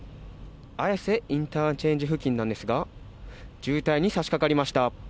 綾瀬インターチェンジ付近ですが渋滞にさしかかりました。